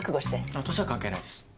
あっ年は関係ないです。